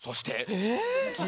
え？